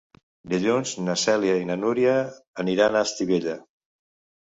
Dilluns na Cèlia i na Núria aniran a Estivella.